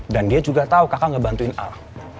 dan dia juga tau kakak ngebantuin al